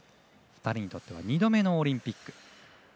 ２人にとっては２度目のオリンピック。